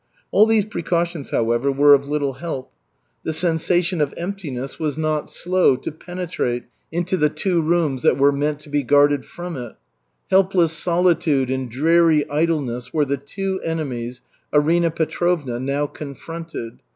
All these precautions, however, were of little help. The sensation of emptiness was not slow to penetrate into the two rooms that were meant to be guarded from it. Helpless solitude and dreary idleness were the two enemies Arina Petrovna now confronted.